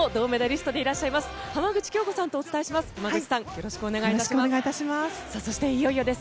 よろしくお願いします。